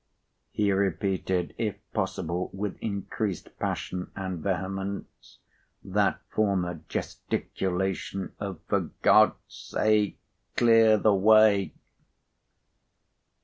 He repeated, if possible with increased passion and vehemence, that former gesticulation of "For God's sake clear the way!"